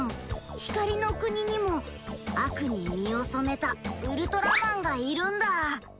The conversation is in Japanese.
光の国にも悪に身を染めたウルトラマンがいるんだ。